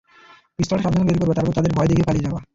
পিস্তল টা সাবধানে বের করবা, তারপর তাদের ভয় দেখিয়ে পালিয়ে যাবা।